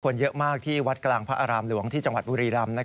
คนเยอะมากที่วัดกลางพระอารามหลวงที่จังหวัดบุรีรำ